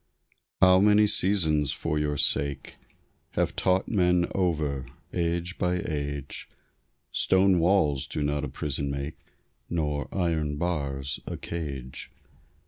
How many seasons for your sake Have taught men over, age by age, "Stone walls do not a prison make, Nor iron bars a cage!"